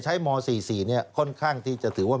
ใช้ม๔๔เนี่ยค่อนข้างที่จะถือว่า